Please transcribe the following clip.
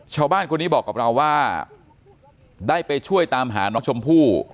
ชาวบ้านคนนี้บอกกับเราว่าได้ไปช่วยตามหาน้องชมพู่